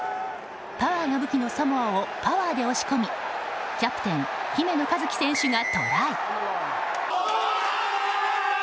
パワーが武器のサモアをパワーで押し込みキャプテン姫野和樹選手がトライ。